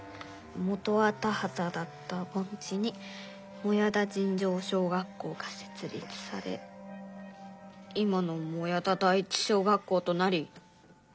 「元は田はただったぼん地に靄田尋常小学校がせつ立され今の靄田第一小学校となり」。